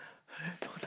どこだ？